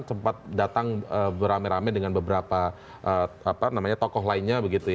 sempat datang beramai ramai dengan beberapa tokoh lainnya